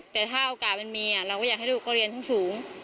แต่ถ้าโอกาสมันมีเราก็อยากให้ลูกก็เรียนสูง